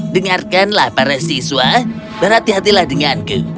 dengarkanlah para siswa berhati hatilah denganku